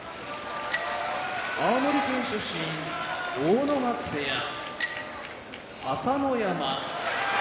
青森県出身阿武松部屋朝乃山